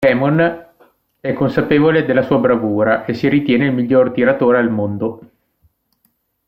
Damon è consapevole della sua bravura, e si ritiene "il miglior tiratore al mondo".